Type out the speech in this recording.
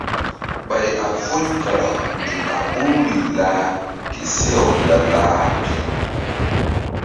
Ɓay a foyu kara nzuk a ɓoruri lah ke seh-aw la-lah pi.